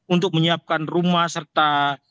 untuk menyiapkan rumah serta